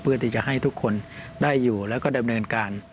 เพื่อที่จะให้ทุกคนได้อยู่แล้วก็ดำเนินการ